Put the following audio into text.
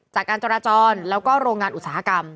จากการจราจรแล้วก็โรงงานอุตสาหกรรม